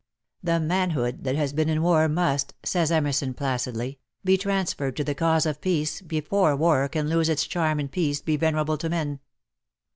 The manhood that has been in war must," says Emerson placidly, "be transferred to the cause of peace before war can lose its charm and peace be venerable to men."